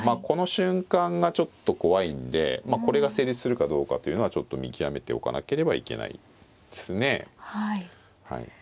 この瞬間がちょっと怖いんでまあこれが成立するかどうかというのはちょっと見極めておかなければいけないですね。